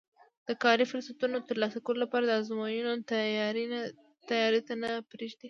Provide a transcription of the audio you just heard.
د کاري فرصتونو ترلاسه کولو لپاره د ازموینو تیاري ته نه پرېږدي